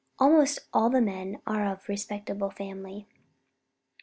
Almost all the men are of respectable family."